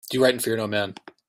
Do right and fear no man.